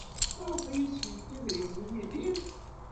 Maɣef ay as-yefka idrimen i Yidir?